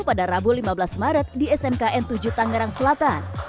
pada rabu lima belas maret di smkn tujuh tangerang selatan